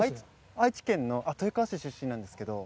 愛知県の豊川市出身なんですけど。